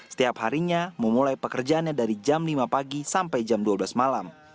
setiap harinya memulai pekerjaannya dari jam lima pagi sampai jam dua belas malam